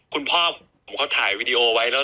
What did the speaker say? คุณพ่อผมเขาถ่ายวีดีโอไว้แล้ว